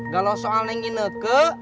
galau soal nengi neke